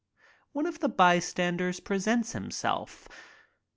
One of the bystanders presents himself.